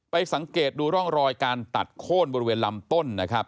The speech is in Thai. สังเกตดูร่องรอยการตัดโค้นบริเวณลำต้นนะครับ